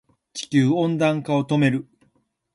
地球温暖化を止める